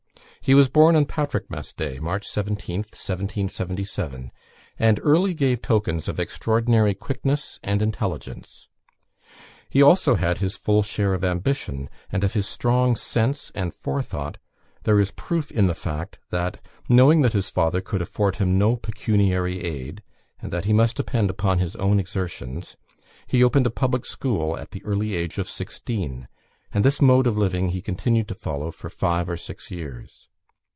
He was born on Patrickmas day (March 17), 1777, and early gave tokens of extraordinary quickness and intelligence. He had also his full share of ambition; and of his strong sense and forethought there is a proof in the fact, that, knowing that his father could afford him no pecuniary aid, and that he must depend upon his own exertions, he opened a public school at the early age of sixteen; and this mode of living he continued to follow for five or six years.